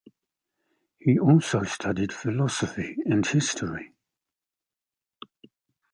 He also studied philosophy and history.